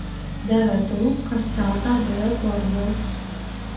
Deve tū, kas sātā beja gorduoks.